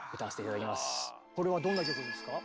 これはどんな曲ですか？